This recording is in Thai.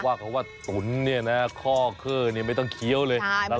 เพราะว่าตุ๋นเนี่ยนะข้อเครื่องนี้ไม่ต้องเคี้ยวเลยละลายในปาก